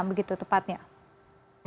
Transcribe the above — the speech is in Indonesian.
jari komara selamat siang